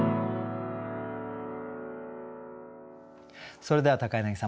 それでは柳さん